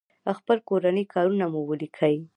خپل کورني کارونه مو وليکئ!